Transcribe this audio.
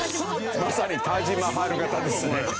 まさにタージ・マハル形ですね。